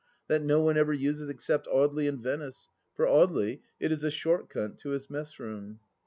That no one ever uses except Audely and Venice : for Audely it is a short cut to his messroom.